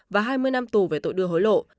và hai mươi năm tù về tội đưa hối lộ